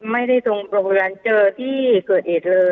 ไม่ได้ส่งโรงพยาบาลเจอที่เกิดเหตุเลย